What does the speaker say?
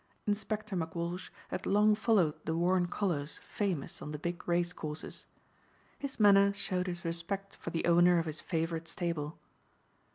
Inspector McWalsh had long followed the Warren colors famous on the big race courses. His manner showed his respect for the owner of his favorite stable.